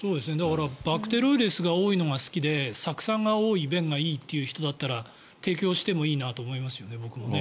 バクテロイデスが多いのが好きで、酢酸が多い便がいいという人だったら提供してもいいなと思いますよね。